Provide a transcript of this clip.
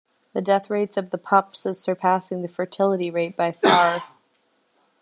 The death rates of the pups is surpassing the fertility rate by far.